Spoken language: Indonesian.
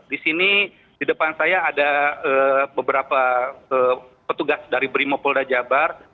di sini di depan saya ada beberapa petugas dari brimopolda jabar